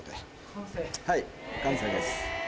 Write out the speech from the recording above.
はい完成です。